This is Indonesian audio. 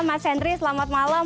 mas hendry selamat malam